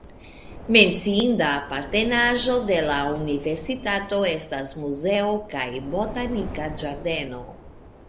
Menciinda apartenaĵo de la universitato estas muzeo kaj botanika ĝardeno.